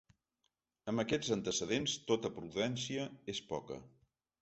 Amb aquests antecedents, tota prudència és poca.